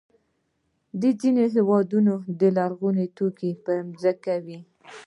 د ځینو هېوادونو لرغوني توکي پر ځمکې وي.